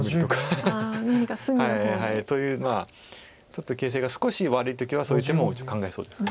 ちょっと形勢が少し悪い時はそういう手も考えそうです。